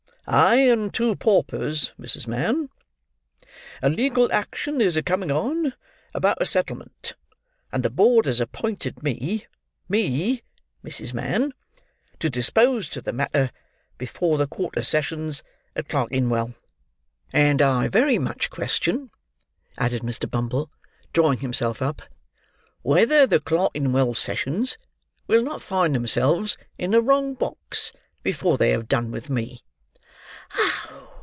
I and two paupers, Mrs. Mann! A legal action is a coming on, about a settlement; and the board has appointed me—me, Mrs. Mann—to dispose to the matter before the quarter sessions at Clerkinwell. And I very much question," added Mr. Bumble, drawing himself up, "whether the Clerkinwell Sessions will not find themselves in the wrong box before they have done with me."